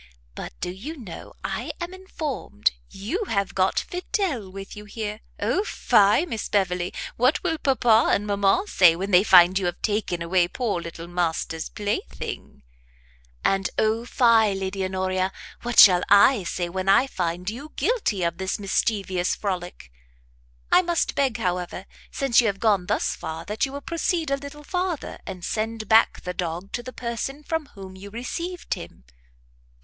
But do you know I am informed you have got Fidel with you here? O fie, Miss Beverley! What will papa and mamma say, when they find you have taken away poor little master's plaything?" "And O fie, Lady Honoria! what shall I say, when I find you guilty of this mischievous frolic! I must beg, however, since you have gone thus far, that you will proceed a little farther, and send back the dog to the person from whom you received him."